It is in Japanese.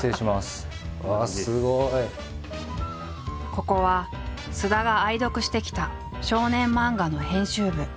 ここは菅田が愛読してきた少年漫画の編集部。